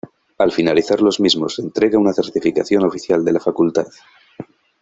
Al finalizar los mismos se entrega una certificación oficial de la facultad.